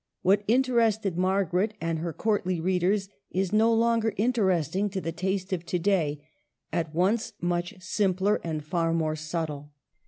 What interested Margaret and her courtly readers is no longer interesting to the taste of to day, at once much simpler and far more subtle.